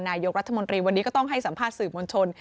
นายกรัฐมนตรีวันนี้ก็ต้องให้สัมภาษณ์สื่อมวลชน